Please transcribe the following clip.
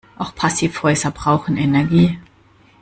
Auch Passivhäuser brauchen Energie.